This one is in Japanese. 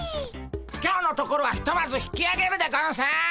今日のところはひとまず引きあげるでゴンス！